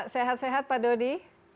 sehat sehat pak dodi